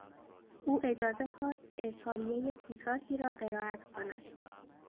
او اجازه خواست که اظهاریهی کوتاهی را قرائت کند.